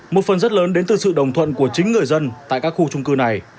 một phần rất lớn đến từ sự đồng thuận của chính người dân tại các khu trung cư này